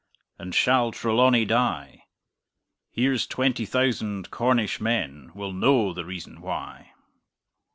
And shall Trelawny die? Here's twenty thousand Cornish men Will know the reason why!